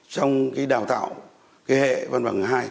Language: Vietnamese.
trong đào tạo hệ văn bằng hai